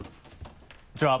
こんにちは！